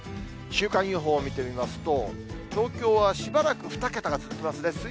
週間予報を見てみますと、東京はしばらく２桁が続きますね。